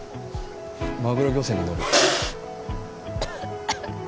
マグロ漁船に乗る。